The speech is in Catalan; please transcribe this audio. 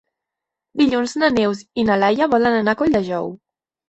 Dilluns na Neus i na Laia volen anar a Colldejou.